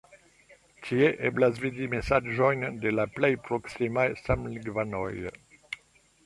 Tie eblas vidi mesaĝojn de la plej proksimaj samlingvanoj.